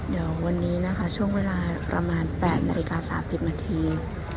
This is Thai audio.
เดี๋ยววันนี้นะคะช่วงเวลาประมาณ๘นาฬิกา๓๐นาที